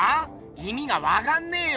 いみがわかんねえよ。